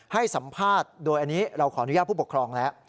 ให้สัมภาษณ์โดยอันนี้เราขออนุญาตผู้ปกครองแล้ว